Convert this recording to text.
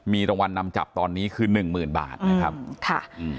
มีรวรรณนำจับตอนนี้คือ๑๐๐๐๐บาทนะครับ